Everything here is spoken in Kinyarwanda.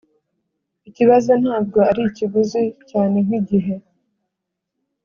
ikibazo ntabwo ari ikiguzi cyane nkigihe.